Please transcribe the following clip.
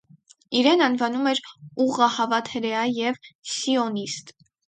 Իրեն անվանում էր ուղղահավատ հրեա և սիոնիստ։